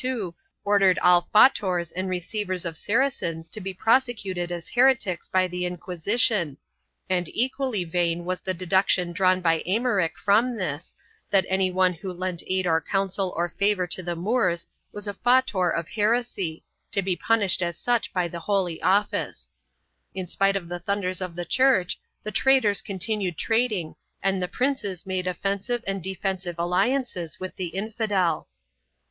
1 It was in vain that Gregory XI, in 1372, ordered all fautors and receivers of Saracens to be prosecuted as heretics by the Inquisition, and equally vain was the deduction drawn by Eymerich from this, that any one who lent aid or counsel or favor to the Moors was a fautor of heresy, to be punished as such by the Holy Office.2 In spite of the thunders of the Church the traders continued trading and the princes made offensive and defensive alliances with the infidel.